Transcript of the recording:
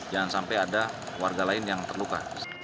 jangan sampai ada warga lain yang terluka